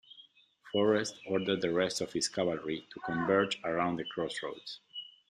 Forrest ordered the rest of his cavalry to converge around the crossroads.